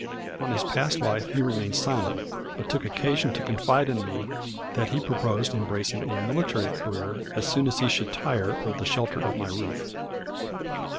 On his past life he remained silent; but took occasion to confide in me that he proposed embracing a military career, as soon as he should tire of the shelter of my roof.